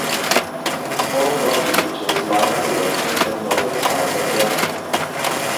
Some small rocky beaches lie on the western and northern sides of the island.